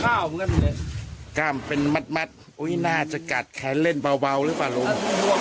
เข้ามาเรื่อยก้าวมันเป็นมาดมาดโอ้ยหน้าจะกัดแขนเล่นเบาวเรื่อยกว่าลุง